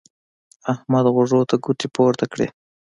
احمد غوږو ته ګوتې پورته کړې.